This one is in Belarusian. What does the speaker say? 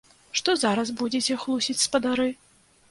Што зараз будзеце хлусіць, спадары?